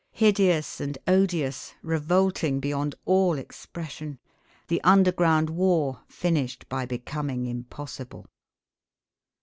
Hideous and odious, revolting beyond all expression, the underground war finished by becoming impossible.